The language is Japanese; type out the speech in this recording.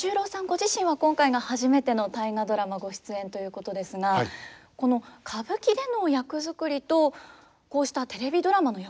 ご自身は今回が初めての「大河ドラマ」ご出演ということですがこの歌舞伎での役作りとこうしたテレビドラマの役作りというのは結構違うものなんですか？